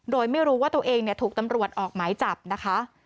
โดยไม่รู้ว่าตัวเองถูกตำรวจออกหมายจับนะคะ